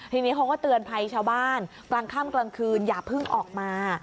ทีนี้เขาก็เตือนภัยชาวบ้านกลางค่ำกลางคืนอย่าเพิ่งออกมา